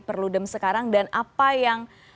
perludem sekarang dan apa yang